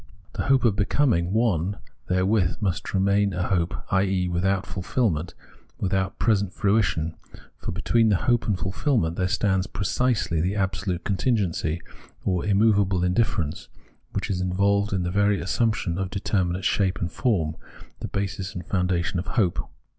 The hope of be coming one therewith must remain a hope, i.e. without fulfilment, without present fruition ; for between the hope and fulfilment there stands precisely the absolute contingency, or immovable indifference, which is in volved in the very assumption of determinate shape and form, the basis and foundation of the hope.